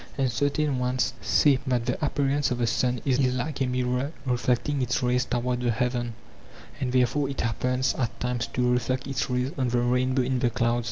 And certain ones say that the appearance of the sun is like a mirror reflecting its rays toward the heaven, and therefore it happens at times to refiect its rays on the rainbow in the clouds.